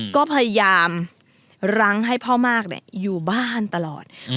ก็พยายามรั้งให้พ่อมากอยู่บ้านตลอด